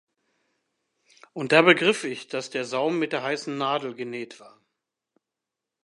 Und da begriff ich, dass der Saum mit der heißen Nadel genäht war.